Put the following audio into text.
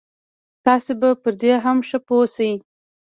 تاسې به پر دې هم ښه پوه شئ.